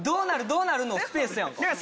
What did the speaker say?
どうなる？」のスペースやんか。